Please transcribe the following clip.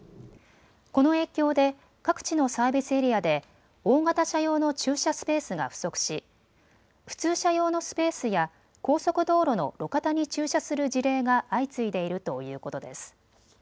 この影響で各地のサービスエリアで大型車用の駐車スペースが不足し普通車用のスペースや高速道路の路肩に駐車する事例が相次いでいるということです。